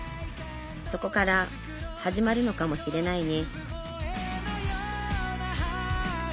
そこから始まるのかもしれないね